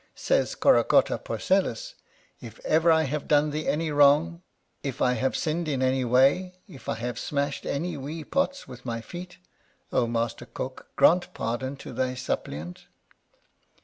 Says Corocotta Porcellus :" If ever I have done thee any wrong, if I have sinned in any way, if I have smashed any wee pots with my feet ; O Master Cook, grant pardon to thy sup pliant